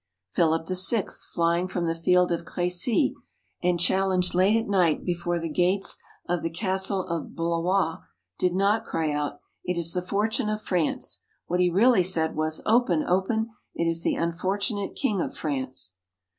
Philip VI, flying from the field of Crécy, and challenged late at night before the gates of the castle of Blois, did not cry out, "It is the fortune of France." What he really said was: "Open, open; it is the unfortunate king of France."